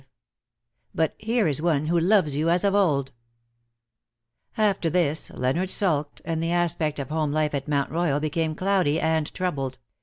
*^^BUT HERE IS ONE WHO LOVES YOU AS OF OLd/' After this Leonard sulked, and the aspect of home life at Mount Koyal became cloudy and troubled.